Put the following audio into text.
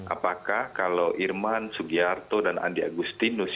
apakah kalau irman sugiarto dan andi agustinus